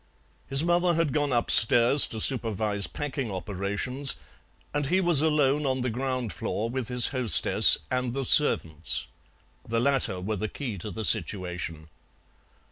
His mother had gone upstairs to supervise packing operations, and he was alone on the ground floor with his hostess and the servants. The latter were the key to the situation.